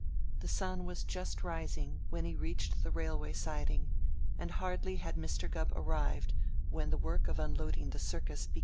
The sun was just rising when he reached the railway siding, and hardly had Mr. Gubb arrived when the work of unloading the circus began.